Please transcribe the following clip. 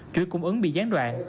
chuyện cung ứng bị gián đoạn